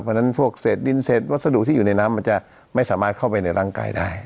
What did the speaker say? เพราะฉะนั้นพวกเศษดินเศษวัสดุที่อยู่ในน้ำมันจะไม่สามารถเข้าไปในร่างกายได้